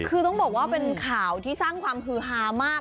คือต้องบอกว่าเป็นข่าวที่สร้างความฮือฮามาก